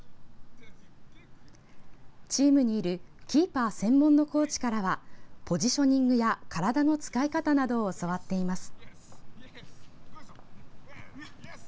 チームにいるキーパー専門のコーチからはポジショニングや体の使い方などを教わっています。